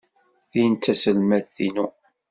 Tin d taselmadt-inu.